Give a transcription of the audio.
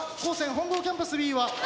本郷キャンパスＢは。